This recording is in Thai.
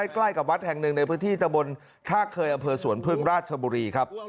ใกล้กับวัดแห่งหนึ่งในพื้นที่ตะบนท่าเคยอำเภอสวนพึ่งราชบุรีครับ